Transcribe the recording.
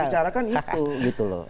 dibicarakan itu gitu loh